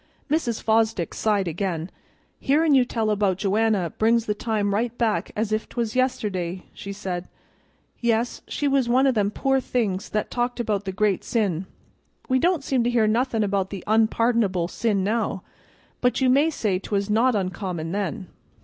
Mrs. Fosdick sighed again. "Hearin' you tell about Joanna brings the time right back as if 'twas yesterday," she said. "Yes, she was one o' them poor things that talked about the great sin; we don't seem to hear nothing about the unpardonable sin now, but you may say 'twas not uncommon then."